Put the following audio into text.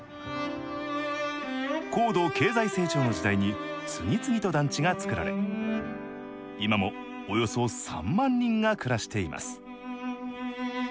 高度経済成長の時代に次々と団地がつくられ今もおよそ３万人が暮らしています。